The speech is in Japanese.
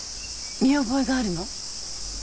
見覚えがあるの？